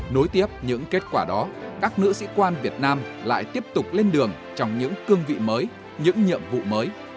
nối tiếp những kết quả đó các nữ sĩ quan việt nam lại tiếp tục lên đường trong những cương vị mới những nhiệm vụ mới